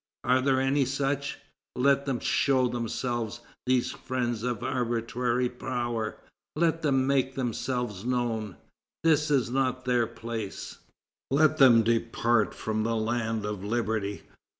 Are there any such? Let them show themselves, these friends of arbitrary power; let them make themselves known! This is not their place! Let them depart from the land of liberty!